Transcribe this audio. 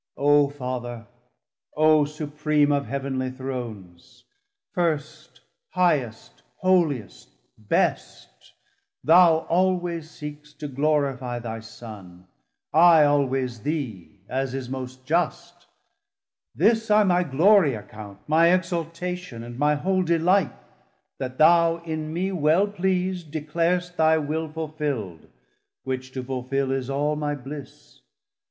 O Father, O Supream of heav'nly Thrones, First, Highest, Holiest, Best, thou alwayes seekst To glorifie thy Son, I alwayes thee, As is most just; this I my Glorie account, My exaltation, and my whole delight, That thou in me well pleas'd, declarst thy will Fulfill'd, which to fulfil is all my bliss.